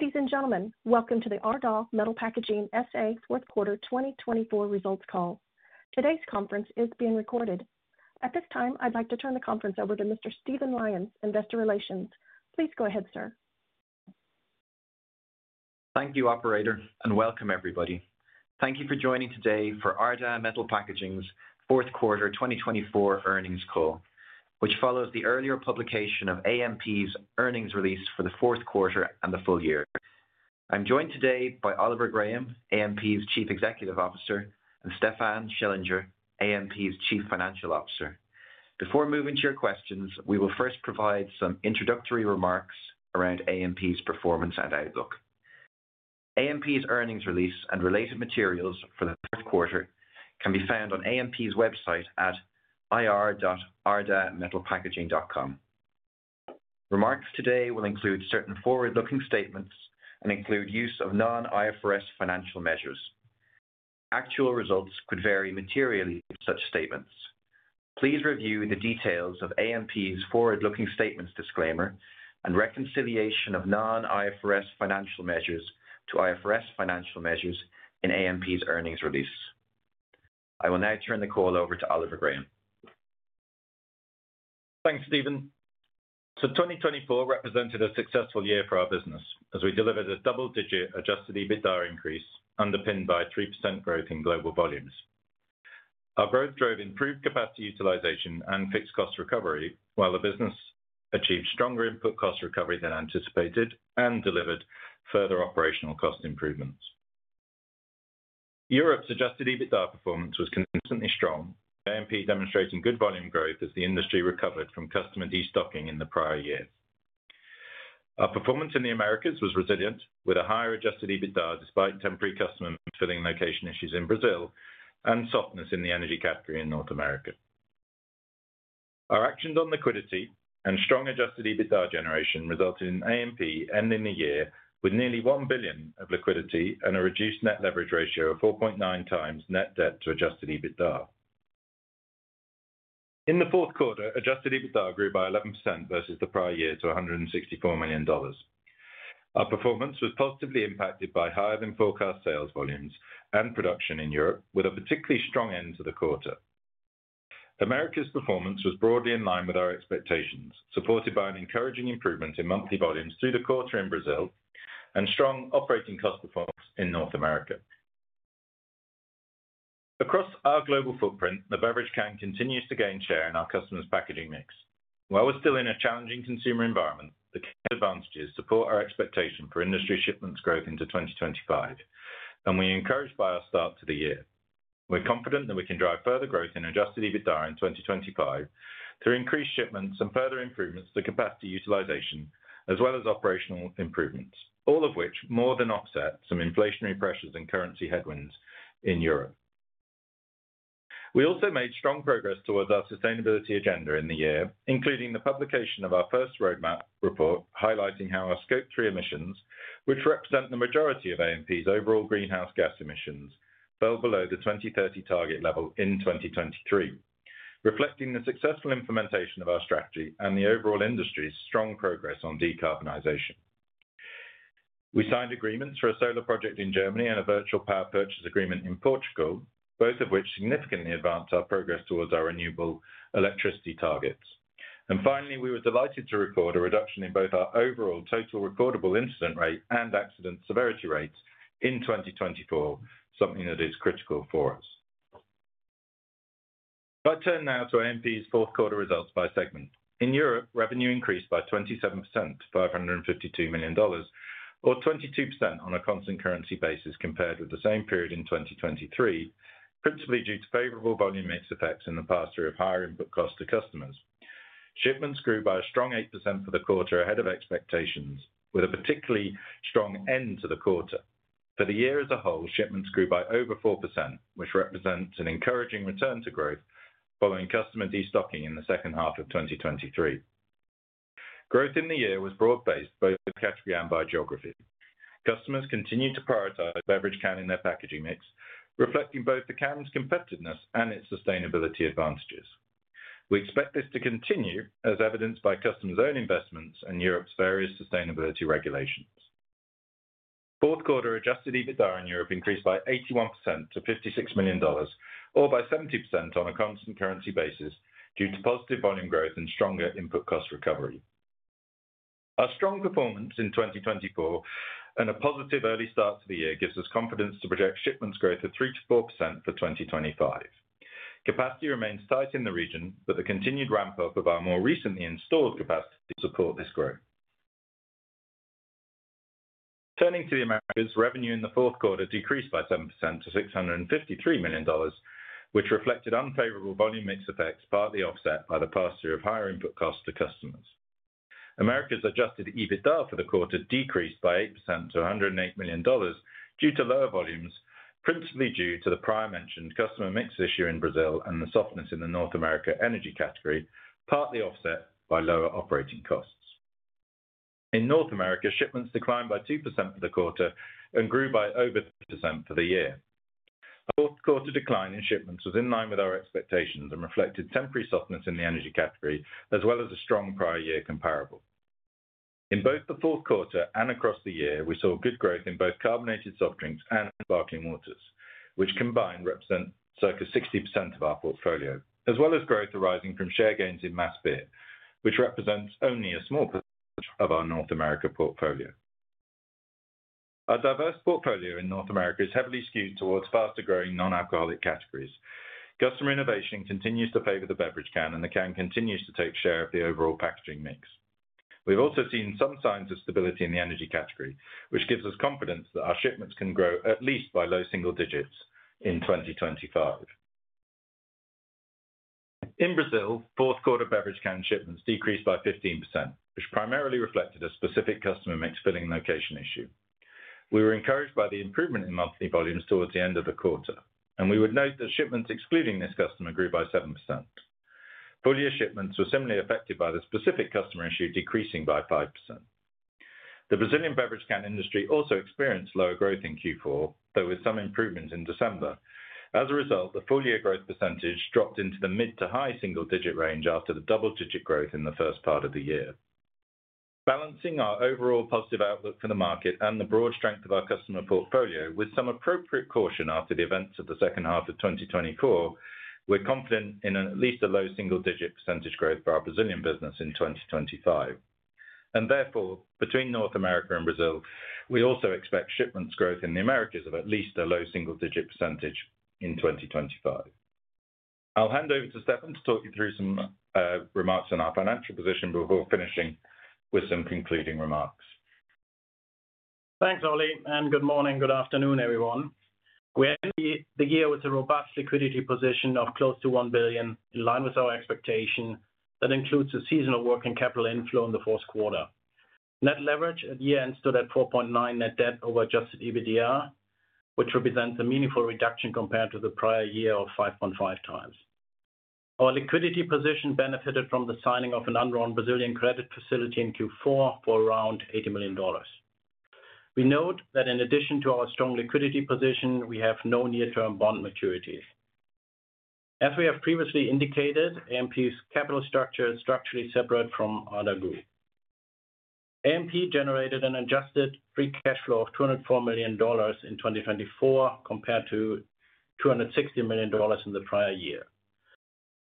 Ladies and gentlemen, welcome to the Ardagh Metal Packaging S.A. fourth quarter 2024 results call. Today's conference is being recorded. At this time, I'd like to turn the conference over to Mr. Stephen Lyons, Investor Relations. Please go ahead, sir. Thank you, Operator, and welcome everybody. Thank you for joining today for Ardagh Metal Packaging's fourth quarter 2024 earnings call, which follows the earlier publication of AMP's earnings release for the fourth quarter and the full year. I'm joined today by Oliver Graham, AMP's Chief Executive Officer, and Stefan Schellinger, AMP's Chief Financial Officer. Before moving to your questions, we will first provide some introductory remarks around AMP's performance and outlook. AMP's earnings release and related materials for the fourth quarter can be found on AMP's website at ir.ardaghmetalpackaging.com. Remarks today will include certain forward-looking statements and include use of non-IFRS financial measures. Actual results could vary materially with such statements. Please review the details of AMP's forward-looking statements disclaimer and reconciliation of non-IFRS financial measures to IFRS financial measures in AMP's earnings release. I will now turn the call over to Oliver Graham. Thanks, Stephen. So, 2024 represented a successful year for our business as we delivered a double-digit Adjusted EBITDA increase underpinned by 3% growth in global volumes. Our growth drove improved capacity utilization and fixed cost recovery, while the business achieved stronger input cost recovery than anticipated and delivered further operational cost improvements. Europe's Adjusted EBITDA performance was consistently strong, with AMP demonstrating good volume growth as the industry recovered from customer destocking in the prior year. Our performance in the Americas was resilient, with a higher Adjusted EBITDA despite temporary customer filling location issues in Brazil and softness in the energy category in North America. Our actions on liquidity and strong Adjusted EBITDA generation resulted in AMP ending the year with nearly $1 billion of liquidity and a reduced net leverage ratio of 4.9x net debt to Adjusted EBITDA. In the fourth quarter, Adjusted EBITDA grew by 11% versus the prior year to $164 million. Our performance was positively impacted by higher-than-forecast sales volumes and production in Europe, with a particularly strong end to the quarter. Americas' performance was broadly in line with our expectations, supported by an encouraging improvement in monthly volumes through the quarter in Brazil and strong operating cost performance in North America. Across our global footprint, the beverage can continues to gain share in our customers' packaging mix. While we're still in a challenging consumer environment, the key advantages support our expectation for industry shipments growth into 2025, and we expect a brighter start to the year. We're confident that we can drive further growth in Adjusted EBITDA in 2025 through increased shipments and further improvements to capacity utilization, as well as operational improvements, all of which more than offset some inflationary pressures and currency headwinds in Europe. We also made strong progress towards our sustainability agenda in the year, including the publication of our first roadmap report highlighting how our Scope 3 emissions, which represent the majority of AMP's overall greenhouse gas emissions, fell below the 2030 target level in 2023, reflecting the successful implementation of our strategy and the overall industry's strong progress on decarbonization. We signed agreements for a solar project in Germany and a virtual power purchase agreement in Portugal, both of which significantly advanced our progress towards our renewable electricity targets. Finally, we were delighted to record a reduction in both our overall total recordable incident rate and accident severity rates in 2024, something that is critical for us. If I turn now to AMP's fourth quarter results by segment, in Europe, revenue increased by 27% to $552 million, or 22% on a constant currency basis compared with the same period in 2023, principally due to favorable volume mix effects and the pass-through of higher input costs to customers. Shipments grew by a strong 8% for the quarter ahead of expectations, with a particularly strong end to the quarter. For the year as a whole, shipments grew by over 4%, which represents an encouraging return to growth following customer destocking in the second half of 2023. Growth in the year was broad-based both by category and by geography. Customers continued to prioritize beverage canning in their packaging mix, reflecting both the canning's competitiveness and its sustainability advantages. We expect this to continue, as evidenced by customers' own investments and Europe's various sustainability regulations. Fourth quarter Adjusted EBITDA in Europe increased by 81% to $56 million, or by 70% on a constant currency basis due to positive volume growth and stronger input cost recovery. Our strong performance in 2024 and a positive early start to the year gives us confidence to project shipments growth of 3%-4% for 2025. Capacity remains tight in the region, but the continued ramp-up of our more recently installed capacity will support this growth. Turning to the Americas, revenue in the fourth quarter decreased by 7% to $653 million, which reflected unfavorable volume mix effects partly offset by the pass-through higher input cost to customers. Americas' Adjusted EBITDA for the quarter decreased by 8% to $108 million due to lower volumes, principally due to the prior mentioned customer mix issue in Brazil and the softness in the North America energy category, partly offset by lower operating costs. In North America, shipments declined by 2% for the quarter and grew by over 3% for the year. Our fourth quarter decline in shipments was in line with our expectations and reflected temporary softness in the energy category as well as a strong prior year comparable. In both the fourth quarter and across the year, we saw good growth in both carbonated soft drinks and sparkling waters, which combined represent circa 60% of our portfolio, as well as growth arising from share gains in mass beer, which represents only a small percentage of our North America portfolio. Our diverse portfolio in North America is heavily skewed towards faster-growing non-alcoholic categories. Customer innovation continues to favor the beverage can, and the can continues to take share of the overall packaging mix. We've also seen some signs of stability in the energy category, which gives us confidence that our shipments can grow at least by low single digits in 2025. In Brazil, fourth quarter beverage can shipments decreased by 15%, which primarily reflected a specific customer mix filling location issue. We were encouraged by the improvement in monthly volumes towards the end of the quarter, and we would note that shipments excluding this customer grew by 7%. Full year shipments were similarly affected by the specific customer issue decreasing by 5%. The Brazilian beverage can industry also experienced lower growth in Q4, though with some improvement in December. As a result, the full-year growth percentage dropped into the mid- to high-single-digit range after the double-digit growth in the first part of the year. Balancing our overall positive outlook for the market and the broad strength of our customer portfolio with some appropriate caution after the events of the second half of 2024, we're confident in at least a low-single-digit percentage growth for our Brazilian business in 2025. And therefore, between North America and Brazil, we also expect shipments growth in the Americas of at least a low-single-digit percentage in 2025. I'll hand over to Stefan to talk you through some remarks on our financial position before finishing with some concluding remarks. Thanks, Ollie, and good morning, good afternoon, everyone. We end the year with a robust liquidity position of close to $1 billion, in line with our expectation that includes a seasonal working capital inflow in the fourth quarter. Net leverage at year-end stood at 4.9x net debt over Adjusted EBITDA, which represents a meaningful reduction compared to the prior year of 5.5x. Our liquidity position benefited from the signing of an undrawn Brazilian credit facility in Q4 for around $80 million. We note that in addition to our strong liquidity position, we have no near-term bond maturities. As we have previously indicated, AMP's capital structure is structurally separate from Ardagh Group. AMP generated an Adjusted Free Cash Flow of $204 million in 2024 compared to $260 million in the prior year.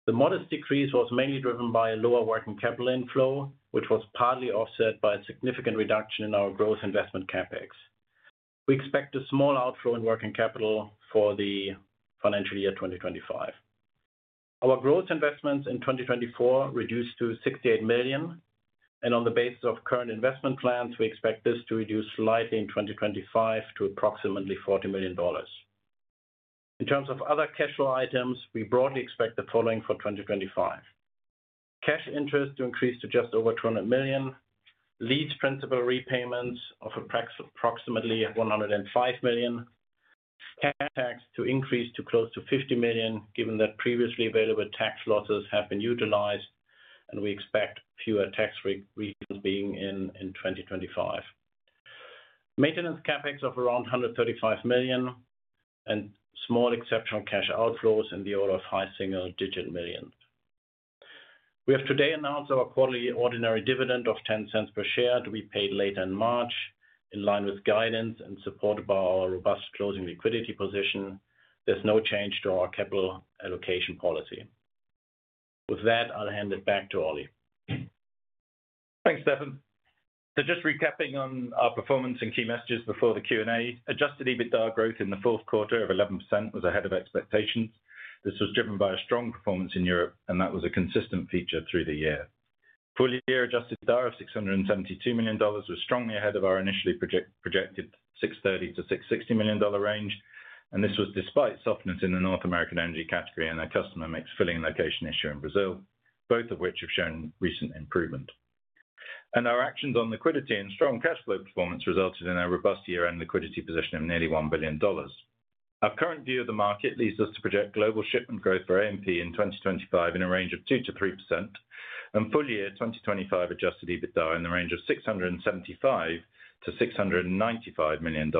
The modest decrease was mainly driven by a lower working capital inflow, which was partly offset by a significant reduction in our growth investment CapEx. We expect a small outflow in working capital for the financial year 2025. Our growth investments in 2024 reduced to $68 million, and on the basis of current investment plans, we expect this to reduce slightly in 2025 to approximately $40 million. In terms of other cash flow items, we broadly expect the following for 2025: cash interest to increase to just over $200 million, lease principal repayments of approximately $105 million, tax to increase to close to $50 million, given that previously available tax losses have been utilized, and we expect fewer tax refunds in 2025, maintenance CapEx of around $135 million, and small exceptional cash outflows in the order of high single digit millions. We have today announced our quarterly ordinary dividend of $0.10 per share to be paid later in March, in line with guidance and supported by our robust closing liquidity position. There's no change to our capital allocation policy. With that, I'll hand it back to Ollie. Thanks, Stefan. Just recapping on our performance and key messages before the Q&A, Adjusted EBITDA growth in the fourth quarter of 11% was ahead of expectations. This was driven by a strong performance in Europe, and that was a consistent feature through the year. Full year-end Adjusted EBITDA of $672 million was strongly ahead of our initially projected $630 million-$660 million range, and this was despite softness in the North American energy category and a customer mix and filling location issue in Brazil, both of which have shown recent improvement. Our actions on liquidity and strong cash flow performance resulted in a robust year-end liquidity position of nearly $1 billion. Our current view of the market leads us to project global shipment growth for AMP in 2025 in a range of 2%-3%, and full year 2025 Adjusted EBITDA in the range of $675 million-$695 million.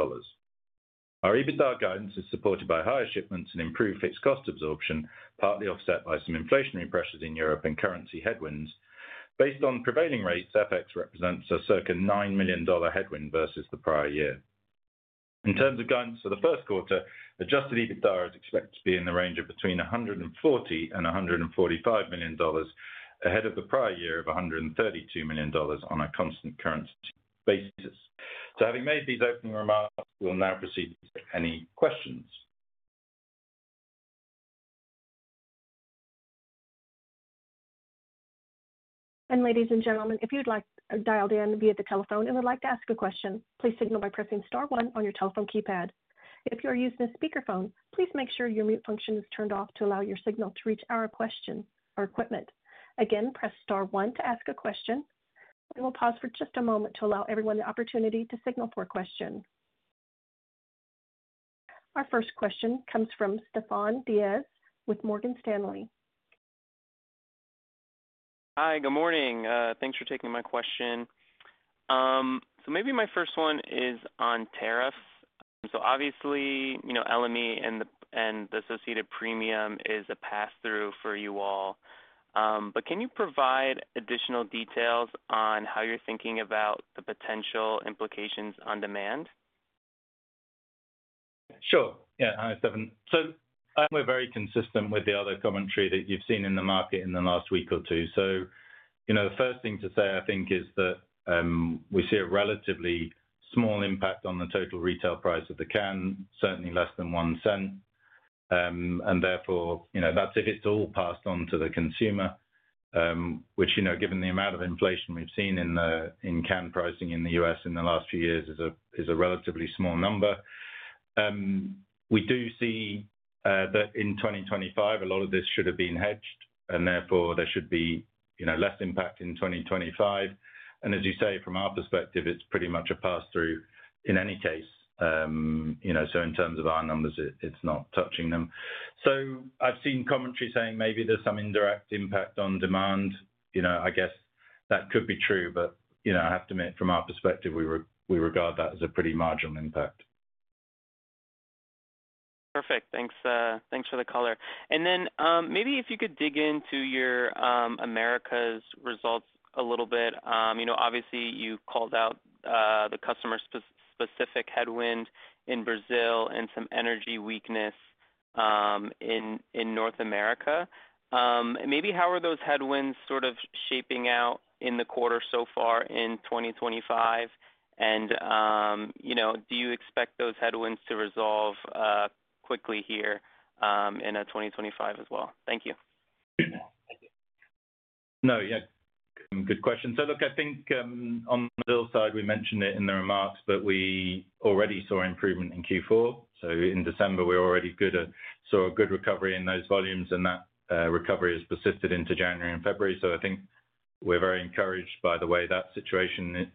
Our EBITDA guidance is supported by higher shipments and improved fixed cost absorption, partly offset by some inflationary pressures in Europe and currency headwinds. Based on prevailing rates, FX represents a circa $9 million headwind versus the prior year. In terms of guidance for the first quarter, adjusted EBITDA is expected to be in the range of between $140 million-$145 million ahead of the prior year of $132 million on a constant currency basis. So having made these opening remarks, we'll now proceed to take any questions. Ladies and gentlemen, if you'd like to dial down via the telephone and would like to ask a question, please signal by pressing star one on your telephone keypad. If you're using a speakerphone, please make sure your mute function is turned off to allow your signal to reach our queuing equipment. Again, press star one to ask a question. We will pause for just a moment to allow everyone the opportunity to signal for a question. Our first question comes from Stefan Diaz with Morgan Stanley. Hi, good morning. Thanks for taking my question. So maybe my first one is on tariffs. So obviously, you know, LME and the associated premium is a pass-through for you all. But can you provide additional details on how you're thinking about the potential implications on demand? Sure. Yeah, hi, Stefan. So we're very consistent with the other commentary that you've seen in the market in the last week or two. So, you know, the first thing to say, I think, is that we see a relatively small impact on the total retail price of the can, certainly less than $0.01. And therefore, you know, that's if it's all passed on to the consumer, which, you know, given the amount of inflation we've seen in can pricing in the U.S. in the last few years is a relatively small number. We do see that in 2025, a lot of this should have been hedged, and therefore there should be less impact in 2025. And as you say, from our perspective, it's pretty much a pass-through in any case. You know, so in terms of our numbers, it's not touching them. So I've seen commentary saying maybe there's some indirect impact on demand. You know, I guess that could be true, but, you know, I have to admit, from our perspective, we regard that as a pretty marginal impact. Perfect. Thanks for the color. And then maybe if you could dig into your Americas results a little bit. You know, obviously, you called out the customer-specific headwind in Brazil and some energy weakness in North America. Maybe how are those headwinds sort of shaping out in the quarter so far in 2025? And you know, do you expect those headwinds to resolve quickly here in 2025 as well? Thank you. No, yeah, good question. So, look, I think on the beer side, we mentioned it in the remarks, but we already saw improvement in Q4. So in December, we already saw a good recovery in those volumes, and that recovery has persisted into January and February. So I think we're very encouraged by the way that situation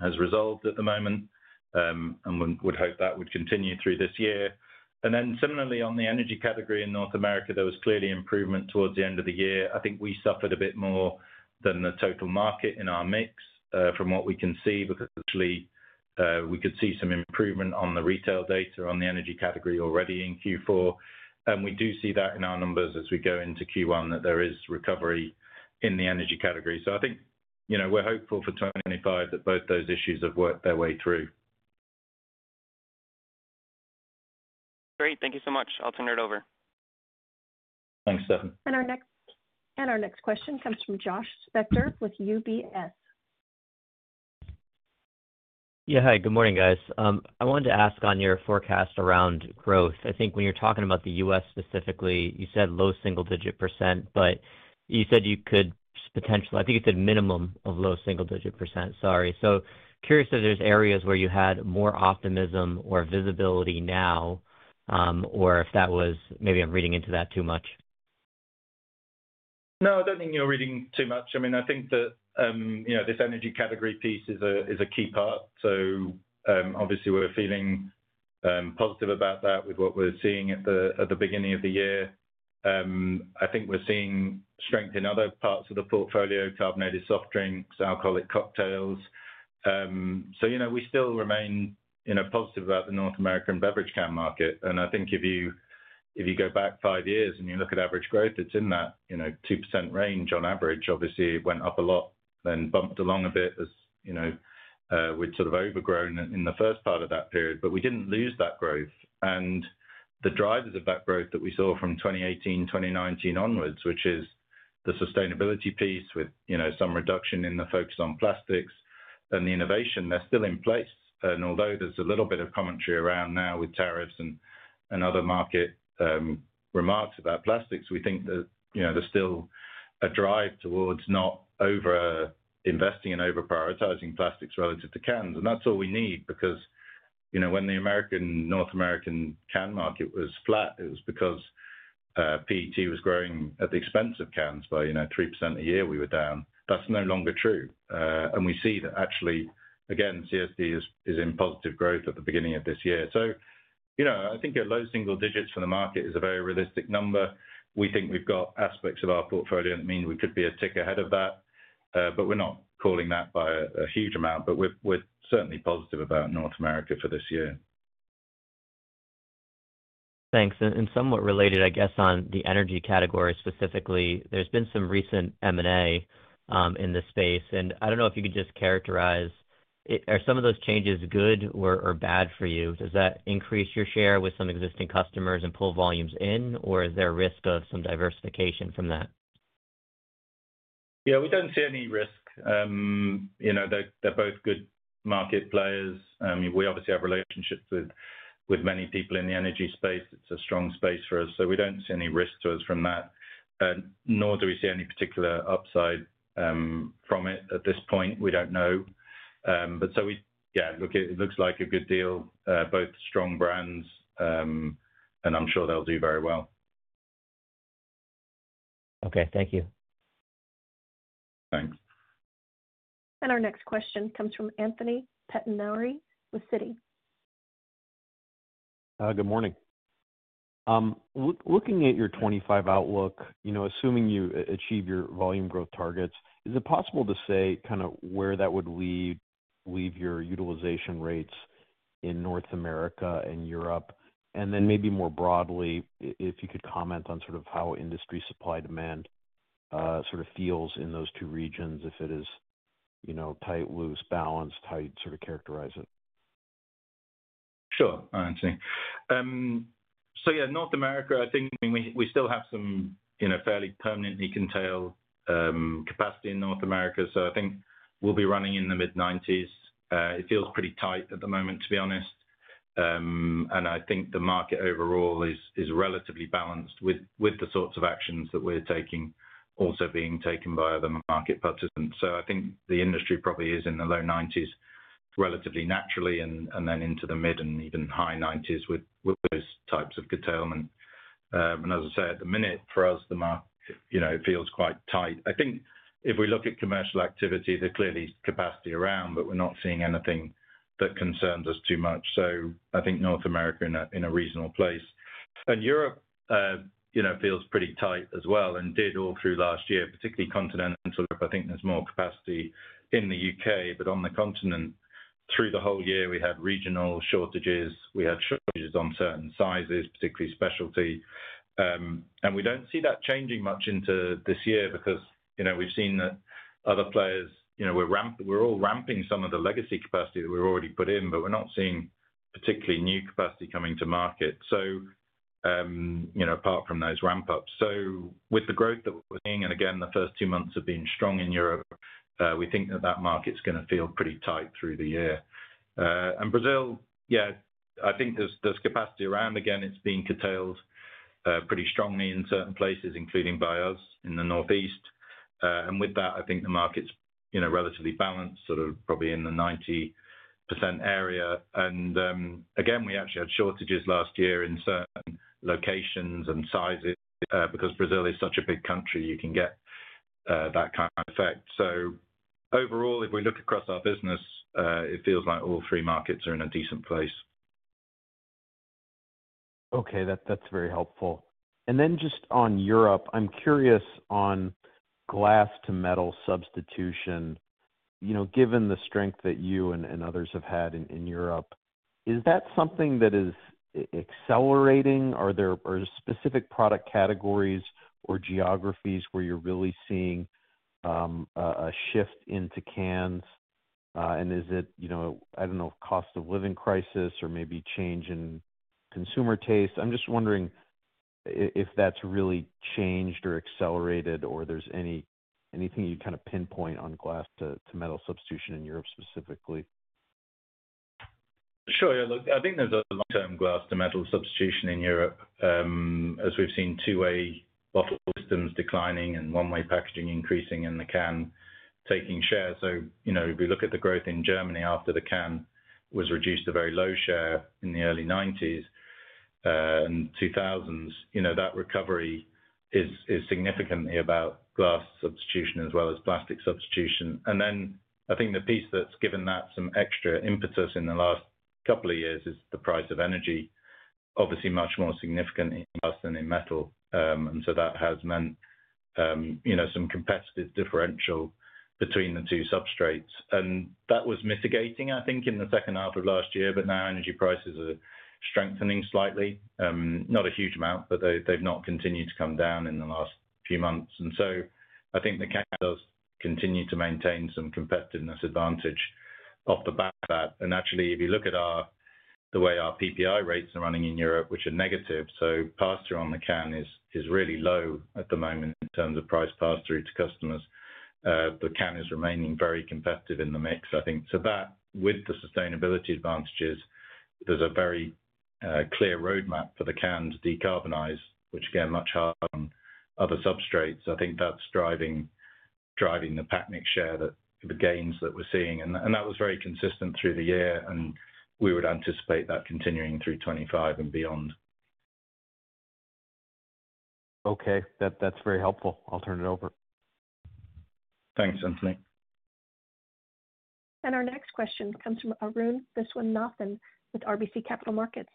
has resolved at the moment and would hope that would continue through this year. And then similarly, on the energy category in North America, there was clearly improvement towards the end of the year. I think we suffered a bit more than the total market in our mix from what we can see because actually we could see some improvement on the retail data on the energy category already in Q4. And we do see that in our numbers as we go into Q1 that there is recovery in the energy category. I think, you know, we're hopeful for 2025 that both those issues have worked their way through. Great. Thank you so much. I'll turn it over. Thanks, Stefan. Our next question comes from Josh Spector with UBS. Yeah, hi, good morning, guys. I wanted to ask on your forecast around growth. I think when you're talking about the U.S. specifically, you said low single-digit %, but you said you could potentially, I think you said minimum of low single-digit %. Sorry. So curious if there's areas where you had more optimism or visibility now, or if that was, maybe I'm reading into that too much. No, I don't think you're reading too much. I mean, I think that, you know, this energy category piece is a key part. So obviously, we're feeling positive about that with what we're seeing at the beginning of the year. I think we're seeing strength in other parts of the portfolio: carbonated soft drinks, alcoholic cocktails. So, you know, we still remain positive about the North American beverage can market. And I think if you go back five years and you look at average growth, it's in that 2% range on average. Obviously, it went up a lot, then bumped along a bit as we'd sort of overgrown in the first part of that period, but we didn't lose that growth. And the drivers of that growth that we saw from 2018, 2019 onward, which is the sustainability piece with some reduction in the focus on plastics and the innovation, they're still in place. And although there's a little bit of commentary around now with tariffs and other market remarks about plastics, we think that there's still a drive towards not over-investing and over-prioritizing plastics relative to cans. And that's all we need because when the North American can market was flat, it was because PET was growing at the expense of cans by 3% a year. We were down. That's no longer true. And we see that actually, again, CSD is in positive growth at the beginning of this year. So, you know, I think a low single digit for the market is a very realistic number. We think we've got aspects of our portfolio that mean we could be a tick ahead of that, but we're not calling that by a huge amount. But we're certainly positive about North America for this year. Thanks. And somewhat related, I guess, on the energy category specifically, there's been some recent M&A in the space. And I don't know if you could just characterize, are some of those changes good or bad for you? Does that increase your share with some existing customers and pull volumes in, or is there a risk of some diversification from that? Yeah, we don't see any risk. They're both good market players. We obviously have relationships with many people in the energy space. It's a strong space for us. So we don't see any risk to us from that, nor do we see any particular upside from it at this point. We don't know. But so we, yeah, look, it looks like a good deal, both strong brands, and I'm sure they'll do very well. Okay, thank you. Thanks. Our next question comes from Anthony Pettinari with Citi. Good morning. Looking at your 2025 outlook, assuming you achieve your volume growth targets, is it possible to say kind of where that would leave your utilization rates in North America and Europe? And then maybe more broadly, if you could comment on sort of how industry supply-demand sort of feels in those two regions, if it is tight, loose, balanced, how you'd sort of characterize it. Sure, all right, Anthony. So yeah, North America, I think we still have some fairly permanently contained capacity in North America. So I think we'll be running in the mid-90s%. It feels pretty tight at the moment, to be honest. And I think the market overall is relatively balanced with the sorts of actions that we're taking, also being taken by other market participants. So I think the industry probably is in the low 90s% relatively naturally, and then into the mid- and even high 90s% with those types of curtailment. And as I say, at the minute, for us, the market feels quite tight. I think if we look at commercial activity, there clearly is capacity around, but we're not seeing anything that concerns us too much. So I think North America in a reasonable place. Europe feels pretty tight as well and did all through last year, particularly continental. I think there's more capacity in the U.K., but on the continent, through the whole year, we had regional shortages. We had shortages on certain sizes, particularly specialty. We don't see that changing much into this year because we've seen that other players. We're all ramping some of the legacy capacity that we've already put in, but we're not seeing particularly new capacity coming to market, apart from those ramp-ups. So with the growth that we're seeing, and again, the first two months have been strong in Europe, we think that that market's going to feel pretty tight through the year. Brazil, yeah, I think there's capacity around. Again, it's being curtailed pretty strongly in certain places, including by us in the Northeast. And with that, I think the market's relatively balanced, sort of probably in the 90% area. And again, we actually had shortages last year in certain locations and sizes because Brazil is such a big country. You can get that kind of effect. So overall, if we look across our business, it feels like all three markets are in a decent place. Okay, that's very helpful. And then just on Europe, I'm curious on glass-to-metal substitution. Given the strength that you and others have had in Europe, is that something that is accelerating? Are there specific product categories or geographies where you're really seeing a shift into cans? And is it, I don't know, cost of living crisis or maybe change in consumer taste? I'm just wondering if that's really changed or accelerated, or there's anything you'd kind of pinpoint on glass-to-metal substitution in Europe specifically. Sure, yeah. Look, I think there's a long-term glass-to-metal substitution in Europe, as we've seen two-way bottle systems declining and one-way packaging increasing, with the can taking share. So if we look at the growth in Germany after the can was reduced to very low share in the early 1990s and 2000s, that recovery is significantly about glass substitution as well as plastic substitution. And then I think the piece that's given that some extra impetus in the last couple of years is the price of energy, obviously much more significant in glass than in metal. And so that has meant some competitive differential between the two substrates. And that was mitigating, I think, in the second half of last year, but now energy prices are strengthening slightly, not a huge amount, but they've not continued to come down in the last few months. And so I think the can does continue to maintain some competitive advantage off the back of that. And actually, if you look at the way our PPI rates are running in Europe, which are negative, so pass-through on the can is really low at the moment in terms of price pass-through to customers. The can is remaining very competitive in the mix, I think. So that, with the sustainability advantages, there's a very clear roadmap for the can to decarbonize, which, again, is much harder on other substrates. I think that's driving the pack mix share, the gains that we're seeing. And that was very consistent through the year, and we would anticipate that continuing through 2025 and beyond. Okay, that's very helpful. I'll turn it over. Thanks, Anthony. And our next question comes from Arun Viswanathan with RBC Capital Markets.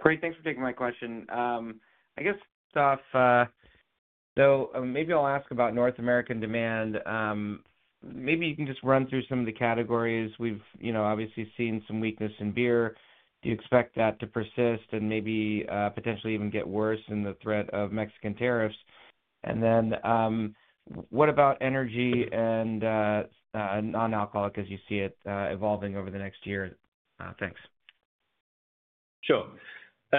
Great, thanks for taking my question. I guess, so maybe I'll ask about North American demand. Maybe you can just run through some of the categories. We've obviously seen some weakness in beer. Do you expect that to persist and maybe potentially even get worse in the threat of Mexican tariffs? And then what about energy and non-alcoholic, as you see it evolving over the next year? Thanks. Sure. So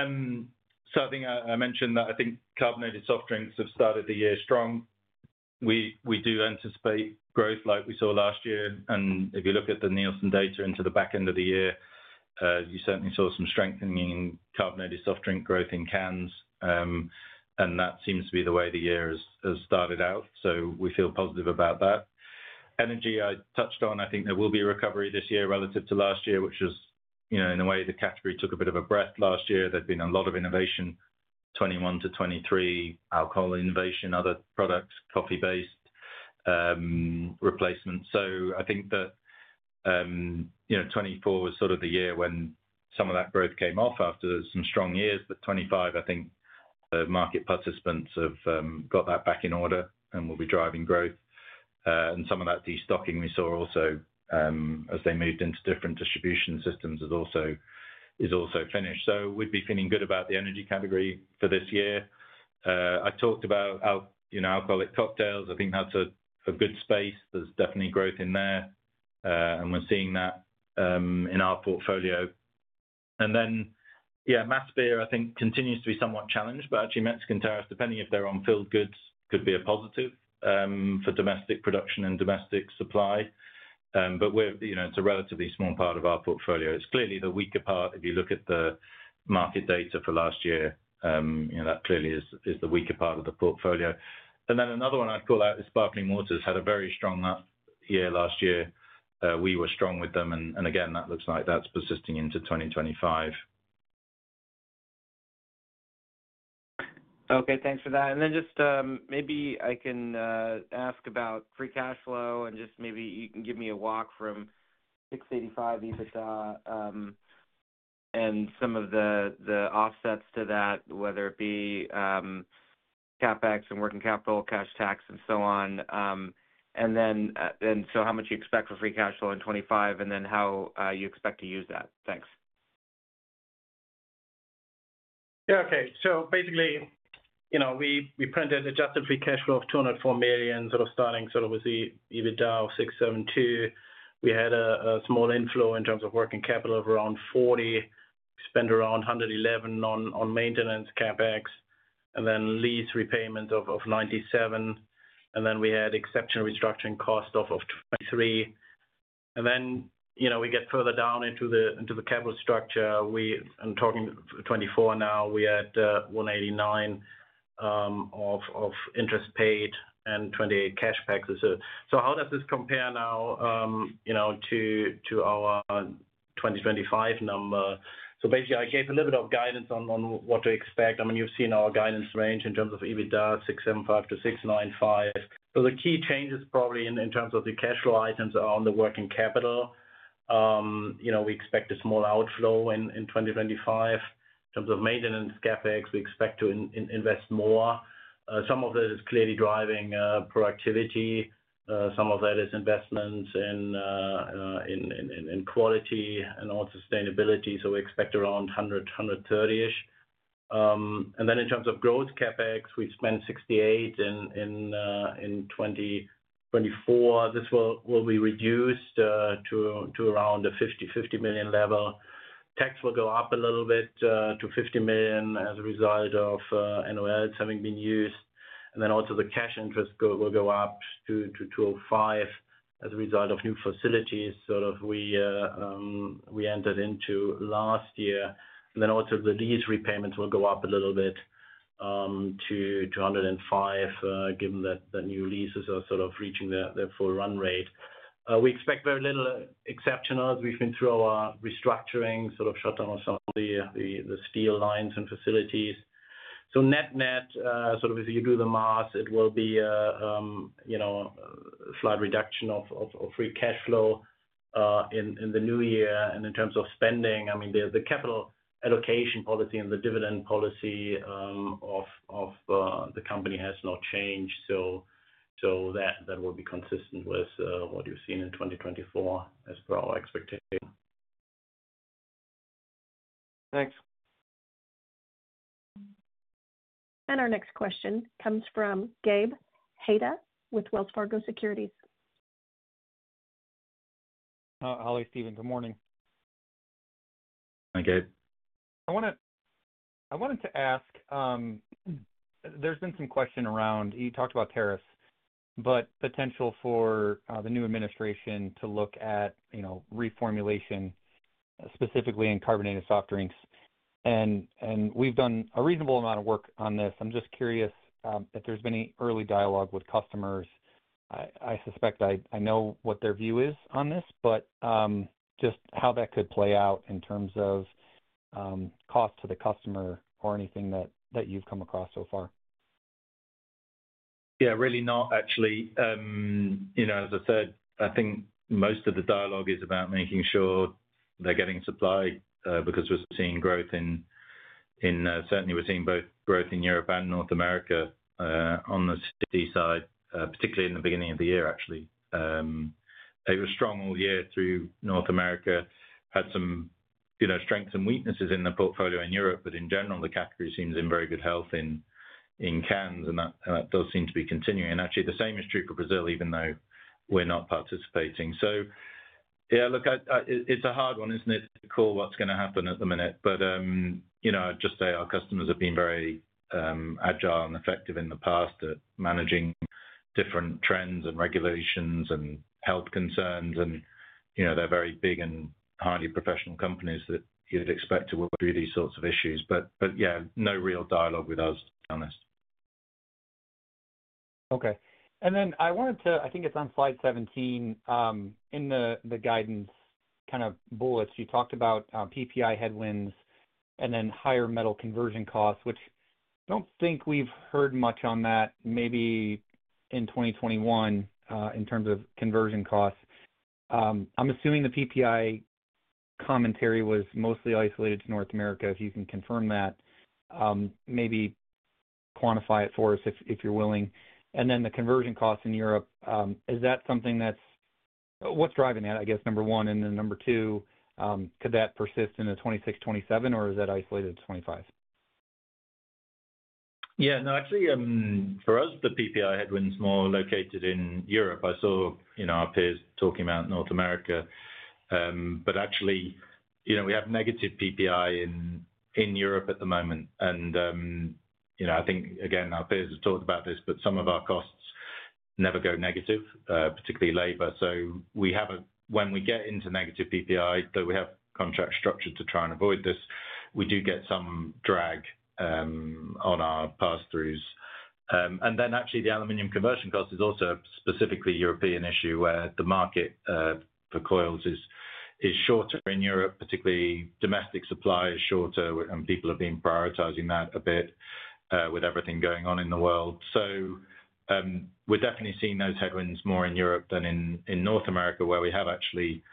I think I mentioned that I think carbonated soft drinks have started the year strong. We do anticipate growth like we saw last year. And if you look at the Nielsen data into the back end of the year, you certainly saw some strengthening in carbonated soft drink growth in cans. And that seems to be the way the year has started out. So we feel positive about that. Energy, I touched on. I think there will be a recovery this year relative to last year, which is, in a way, the category took a bit of a breath last year. There's been a lot of innovation, 2021 to 2023, alcohol innovation, other products, coffee-based replacements. So I think that 2024 was sort of the year when some of that growth came off after some strong years. But 2025, I think the market participants have got that back in order and will be driving growth. And some of that destocking we saw also as they moved into different distribution systems is also finished. So we'd be feeling good about the energy category for this year. I talked about alcoholic cocktails. I think that's a good space. There's definitely growth in there, and we're seeing that in our portfolio. And then, yeah, mass beer, I think, continues to be somewhat challenged, but actually Mexican tariffs, depending if they're on filled goods, could be a positive for domestic production and domestic supply. But it's a relatively small part of our portfolio. It's clearly the weaker part. If you look at the market data for last year, that clearly is the weaker part of the portfolio. And then another one I'd call out is sparkling water. Had a very strong year last year. We were strong with them, and again, that looks like that's persisting into 2025. Okay, thanks for that. And then just maybe I can ask about free cash flow and just maybe you can give me a walk from $685 million EBITDA and some of the offsets to that, whether it be CapEx and working capital, cash tax, and so on. And then so how much you expect for free cash flow in 2025 and then how you expect to use that. Thanks. Yeah, okay. So basically, we printed Adjusted Free Cash Flow of $204 million, starting with the EBITDA of $672 million. We had a small inflow in terms of working capital of around $40 million. We spent around $111 million on maintenance CapEx and then lease repayments of $97 million. And then we had exceptional restructuring cost of $23 million. And then we get further down into the capital structure. I'm talking 2024 now. We had $189 million of interest paid and $28 million cash taxes. So how does this compare now to our 2025 number? So basically, I gave a little bit of guidance on what to expect. I mean, you've seen our guidance range in terms of EBITDA $675 million-$695 million. So the key changes probably in terms of the cash flow items are on the working capital. We expect a small outflow in 2025. In terms of maintenance CapEx, we expect to invest more. Some of that is clearly driving productivity. Some of that is investments in quality and on sustainability. So we expect around $100 million-$130 million-ish. And then in terms of growth CapEx, we spent $68 million in 2024. This will be reduced to around a $50 million level. Tax will go up a little bit to $50 million as a result of NOLs having been used. And then also the cash interest will go up to $205 million as a result of new facilities sort of we entered into last year. And then also the lease repayments will go up a little bit to $205 million given that the new leases are sort of reaching their full run rate. We expect very little exceptionals. We've been through our restructuring, sort of shut down some of the steel lines and facilities. So net-net, sort of if you do the math, it will be a slight reduction of free cash flow in the new year. And in terms of spending, I mean, the capital allocation policy and the dividend policy of the company has not changed. So that will be consistent with what you've seen in 2024 as per our expectation. Thanks. Our next question comes from Gabe Hajde with Wells Fargo Securities. Hi, Ollie, Stefan. Good morning. Hi, Gabe. I wanted to ask, there's been some question around, you talked about tariffs, but potential for the new administration to look at reformulation, specifically in carbonated soft drinks. And we've done a reasonable amount of work on this. I'm just curious if there's been any early dialogue with customers. I suspect I know what their view is on this, but just how that could play out in terms of cost to the customer or anything that you've come across so far. Yeah, really not, actually. As I said, I think most of the dialogue is about making sure they're getting supply because we've seen growth in certainly, we're seeing both growth in Europe and North America on the CSD side, particularly in the beginning of the year, actually. It was strong all year through North America, had some strengths and weaknesses in the portfolio in Europe, but in general, the category seems in very good health in cans, and that does seem to be continuing. And actually, the same is true for Brazil, even though we're not participating. So yeah, look, it's a hard one, isn't it, to call what's going to happen at the minute? But I'd just say our customers have been very agile and effective in the past at managing different trends and regulations and health concerns. They're very big and highly professional companies that you'd expect to work through these sorts of issues. But yeah, no real dialogue with us, to be honest. Okay. And then I wanted to, I think it's on slide 17, in the guidance kind of bullets, you talked about PPI headwinds and then higher metal conversion costs, which I don't think we've heard much on that, maybe in 2021 in terms of conversion costs. I'm assuming the PPI commentary was mostly isolated to North America. If you can confirm that, maybe quantify it for us if you're willing. And then the conversion costs in Europe, is that something that's what's driving that, I guess, number one? And then number two, could that persist in the 2026, 2027, or is that isolated to 2025? Yeah, no, actually, for us, the PPI headwinds are more located in Europe. I saw our peers talking about North America. But actually, we have negative PPI in Europe at the moment. And I think, again, our peers have talked about this, but some of our costs never go negative, particularly labor. So when we get into negative PPI, though we have contract structure to try and avoid this, we do get some drag on our pass-throughs. And then actually, the aluminum conversion cost is also a specifically European issue where the market for coils is shorter in Europe, particularly domestic supply is shorter, and people have been prioritizing that a bit with everything going on in the world. So we're definitely seeing those headwinds more in Europe than in North America, where we have actually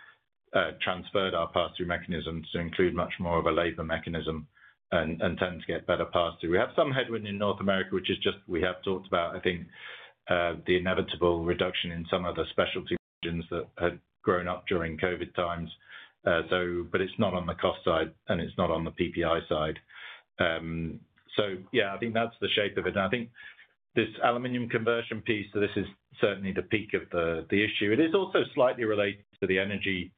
transferred our pass-through mechanisms to include much more of a labor mechanism and tend to get better pass-through. We have some headwind in North America, which is just we have talked about, I think, the inevitable reduction in some of the specialty regions that had grown up during COVID times. But it's not on the cost side, and it's not on the PPI side. So yeah, I think that's the shape of it. And I think this aluminum conversion piece, so this is certainly the peak of the issue. It is also slightly related to the energy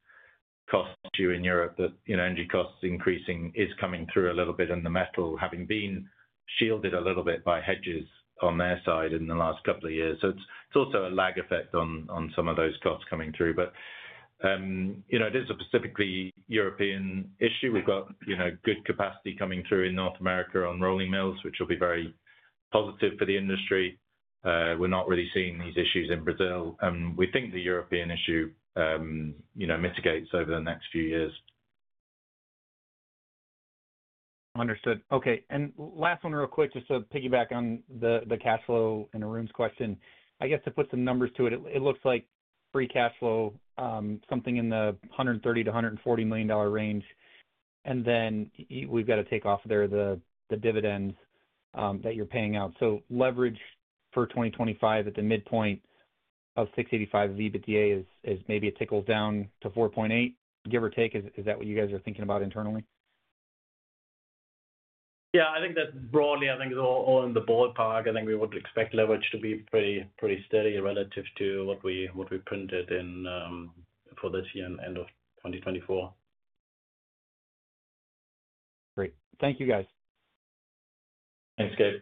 cost issue in Europe that energy costs increasing is coming through a little bit in the metal, having been shielded a little bit by hedges on their side in the last couple of years. So it's also a lag effect on some of those costs coming through. But it is a specifically European issue. We've got good capacity coming through in North America on rolling mills, which will be very positive for the industry. We're not really seeing these issues in Brazil. And we think the European issue mitigates over the next few years. Understood. Okay. And last one real quick, just to piggyback on the cash flow and Arun's question. I guess to put some numbers to it, it looks like free cash flow, something in the $130 million-$140 million range. And then we've got to take off there the dividends that you're paying out. So leverage for 2025 at the midpoint of $685 million EBITDA is maybe it trickles down to 4.8, give or take. Is that what you guys are thinking about internally? Yeah, I think that's broadly. I think it's all in the ballpark. I think we would expect leverage to be pretty steady relative to what we printed for this year and end of 2024. Great. Thank you, guys. Thanks, Gabe.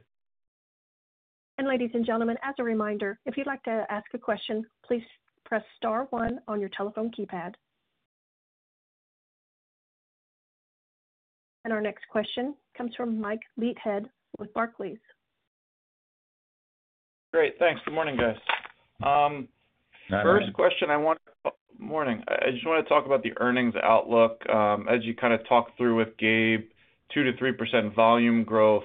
Ladies and gentlemen, as a reminder, if you'd like to ask a question, please press star one on your telephone keypad. Our next question comes from Mike Leithead with Barclays, please. Great. Thanks. Good morning, guys. First question I want to ask this morning. I just want to talk about the earnings outlook. As you kind of talked through with Gabe, 2%-3% volume growth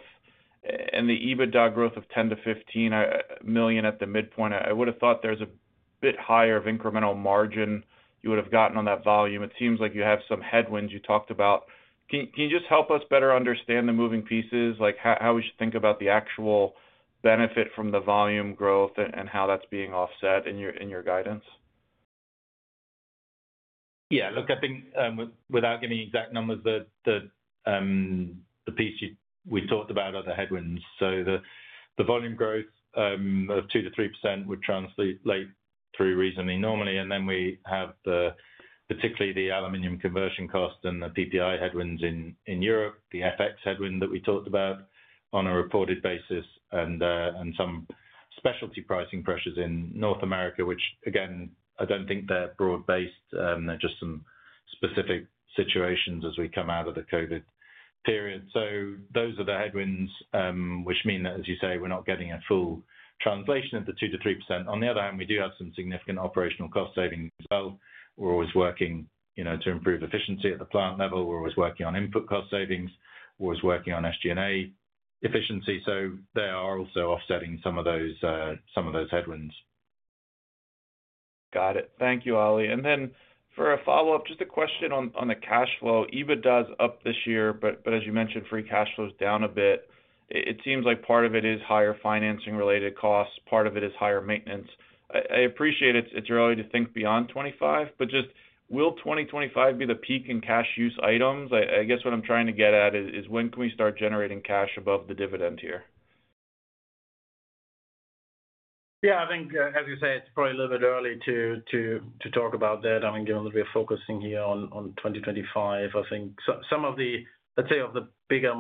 and the EBITDA growth of $10 million-$15 million at the midpoint. I would have thought there's a bit higher of incremental margin you would have gotten on that volume. It seems like you have some headwinds you talked about. Can you just help us better understand the moving pieces, like how we should think about the actual benefit from the volume growth and how that's being offset in your guidance? Yeah. Look, I think without giving exact numbers, the piece we talked about are the headwinds. So the volume growth of 2%-3% would translate through reasonably normally. And then we have particularly the aluminum conversion cost and the PPI headwinds in Europe, the FX headwind that we talked about on a reported basis, and some specialty pricing pressures in North America, which, again, I don't think they're broad-based. They're just some specific situations as we come out of the COVID period. So those are the headwinds, which mean that, as you say, we're not getting a full translation of the 2%-3%. On the other hand, we do have some significant operational cost savings as well. We're always working to improve efficiency at the plant level. We're always working on input cost savings. We're always working on SG&A efficiency. They are also offsetting some of those headwinds. Got it. Thank you, Ollie. And then for a follow-up, just a question on the cash flow. EBITDA's up this year, but as you mentioned, free cash flow's down a bit. It seems like part of it is higher financing-related costs. Part of it is higher maintenance. I appreciate it's early to think beyond 2025, but just will 2025 be the peak in cash use items? I guess what I'm trying to get at is when can we start generating cash above the dividend here? Yeah, I think, as you say, it's probably a little bit early to talk about that. I mean, given that we're focusing here on 2025, I think some of the, let's say, of the bigger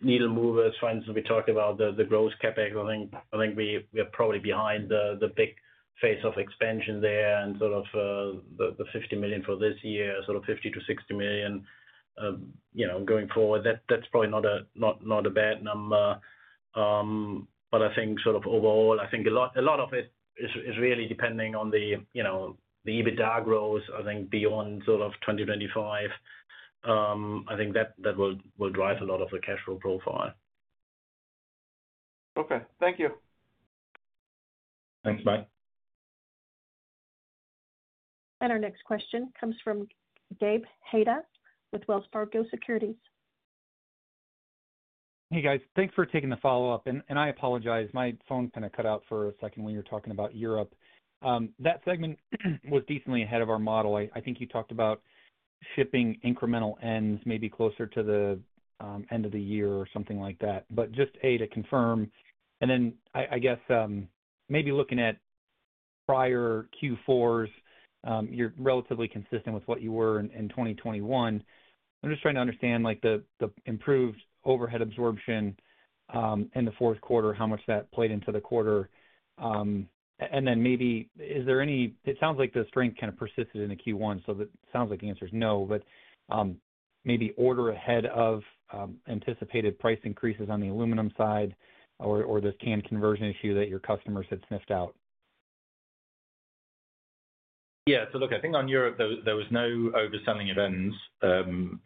needle movers, for instance, we talked about the growth CapEx. I think we are probably behind the big phase of expansion there and sort of the $50 million for this year, sort of $50 million-$60 million going forward. That's probably not a bad number. But I think sort of overall, I think a lot of it is really depending on the EBITDA growth, I think, beyond sort of 2025. I think that will drive a lot of the cash flow profile. Okay. Thank you. Thanks. Bye. Our next question comes from Gabe Hajde with Wells Fargo Securities. Hey, guys. Thanks for taking the follow-up. And I apologize. My phone kind of cut out for a second when you were talking about Europe. That segment was decently ahead of our model. I think you talked about shipping incremental ends maybe closer to the end of the year or something like that. But just A, to confirm, and then I guess maybe looking at prior Q4s, you're relatively consistent with what you were in 2021. I'm just trying to understand the improved overhead absorption in the fourth quarter, how much that played into the quarter. And then maybe is there any it sounds like the strength kind of persisted in the Q1, so it sounds like the answer is no, but maybe order ahead of anticipated price increases on the aluminum side or this can conversion issue that your customers had sniffed out. Yeah, so look, I think on Europe, there was no overselling of ends.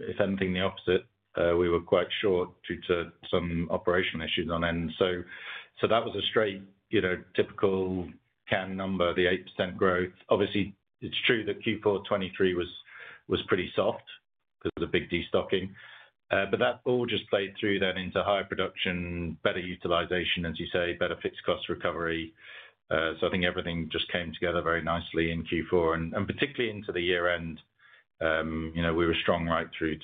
If anything, the opposite. We were quite short due to some operational issues on end. So that was a straight typical can number, the 8% growth. Obviously, it's true that Q4 2023 was pretty soft because of the big destocking but that all just played through then into higher production, better utilization, as you say, better fixed cost recovery. So I think everything just came together very nicely in Q4, and particularly into the year-end. We were strong right through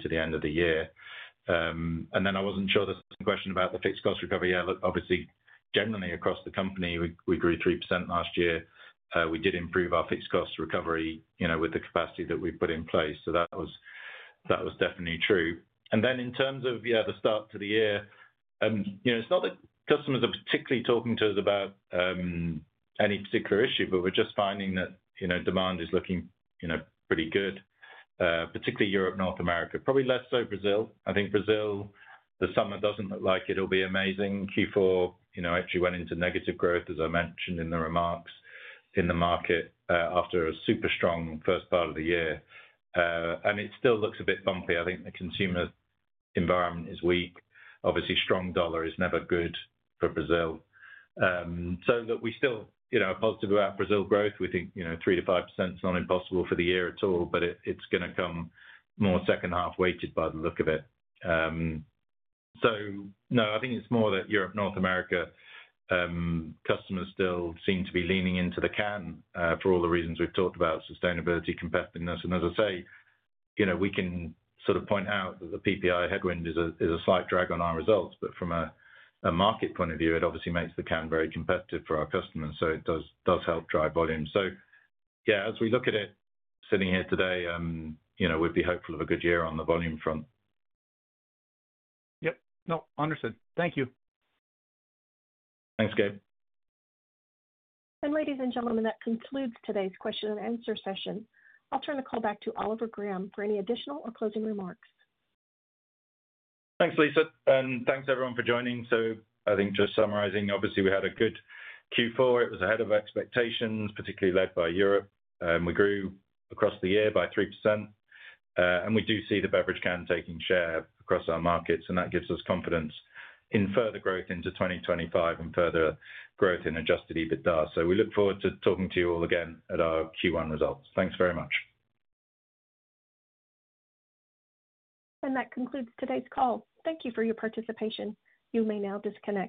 to the end of the year and then I wasn't sure there's a question about the fixed cost recovery. Obviously, generally across the company, we grew 3% last year. We did improve our fixed cost recovery with the capacity that we've put in place. So that was definitely true. Then in terms of, yeah, the start to the year, it's not that customers are particularly talking to us about any particular issue, but we're just finding that demand is looking pretty good, particularly Europe, North America. Probably less so Brazil. I think Brazil, the summer doesn't look like it'll be amazing. Q4 actually went into negative growth, as I mentioned in the remarks in the market after a super strong first part of the year, and it still looks a bit bumpy. I think the consumer environment is weak. Obviously, strong dollar is never good for Brazil. We're still positive about Brazil growth. We think 3%-5% is not impossible for the year at all, but it's going to come more second half weighted by the look of it. So no, I think it's more that Europe, North America customers still seem to be leaning into the canned for all the reasons we've talked about, sustainability, competitiveness. And as I say, we can sort of point out that the PPI headwind is a slight drag on our results, but from a market point of view, it obviously makes the canned very competitive for our customers. So it does help drive volume. So yeah, as we look at it sitting here today, we'd be hopeful of a good year on the volume front. Yep. No, understood. Thank you. Thanks, Gabe. Ladies and gentlemen, that concludes today's question and answer session. I'll turn the call back to Oliver Graham for any additional or closing remarks. Thanks, Lisa. And thanks, everyone, for joining. So I think just summarizing, obviously, we had a good Q4. It was ahead of expectations, particularly led by Europe. We grew across the year by 3%. And we do see the beverage can taking share across our markets. And that gives us confidence in further growth into 2025 and further growth in Adjusted EBITDA. So we look forward to talking to you all again at our Q1 results. Thanks very much. That concludes today's call. Thank you for your participation. You may now disconnect.